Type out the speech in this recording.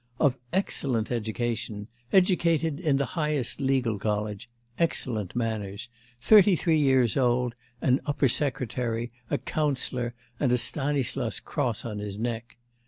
'Of excellent education educated in the highest legal college excellent manners, thirty three years old, and upper secretary, a councillor, and a Stanislas cross on his neck.